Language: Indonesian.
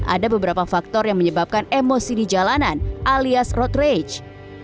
ada beberapa faktor yang menyebabkan emosi di jalanan alias road rate